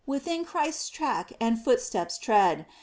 Within Christ's track and footsteps tread